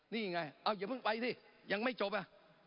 นี่ไงเอาอย่าเพิ่งไปสิยังไม่จบอ่ะ